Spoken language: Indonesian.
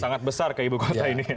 sangat besar ke ibu kota ini